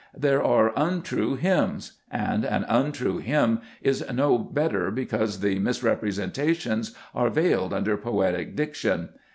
There are untrue hymns j and an untrue hymn is no better because the misrepresentations are veiled under poetic diction.